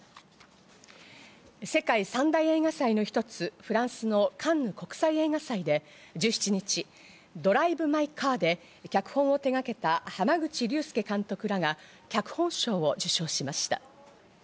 世界三大映画祭の一つ、フランスのカンヌ国際映画祭で１７日、『ドライブ・マイ・カー』で脚本を手がけた濱口竜介監督らが脚本賞を受賞しました。